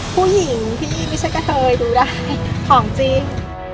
ผู้หญิงที่ไม่ใช่กะเตยดูได้ของจริง